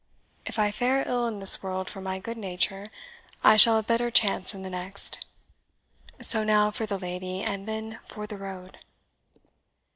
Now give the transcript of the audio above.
If I fare ill in this world for my good nature, I shall have better chance in the next. So now for the lady, and then for the road."